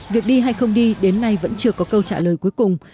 việc đi hay không đi đến nay vẫn chưa có câu trả lời cuối cùng